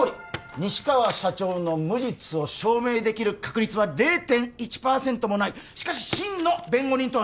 西川社長の無実を証明できる確率は０．１％もないしかし真の弁護人とは何だ？